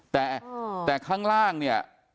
แต่ข้างล่างเนี่ย